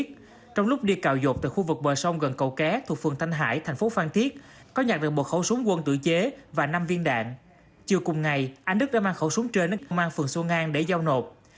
công an phường xuân an đã tiếp nhận một khẩu súng quân dụng tự chế và năm viên đạn do người dân mang đến giao nộp